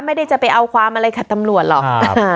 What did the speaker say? ไม่ได้จะไปเอาความอะไรกับตำรวจหรอก